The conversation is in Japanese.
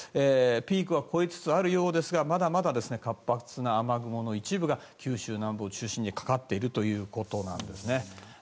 ピークは越えつつあるようですがまだまだ活発な雨雲の一部が九州南部を中心にかかっているということなんですね。